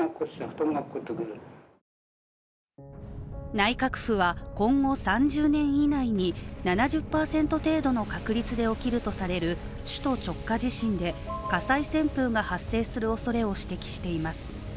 内閣府は今後３０年以内に７０％程度の確率で起きるとされる、首都直下地震で火災旋風が発生するおそれを指摘しています。